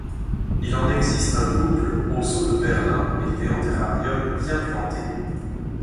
Il en existe un couple au Zoo de Berlin, élevé en terrarium bien planté.